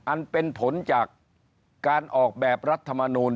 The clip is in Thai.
อันเป็นผลจากการออกแบบรัฐมนูล